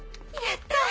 やった！